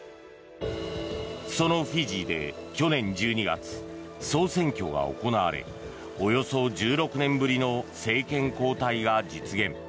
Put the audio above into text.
そのフィジーで去年１２月総選挙が行われおよそ１６年ぶりの政権交代が実現。